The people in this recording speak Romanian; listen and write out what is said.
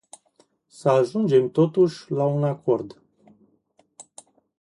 Să ajungem totuși la un acord.